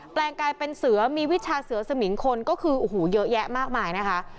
แปลงกลายเป็นเสื้อมีวิชาเสือเสมิงคนก็คือเยอะแยะมากมาย